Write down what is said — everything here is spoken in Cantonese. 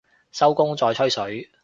收工再吹水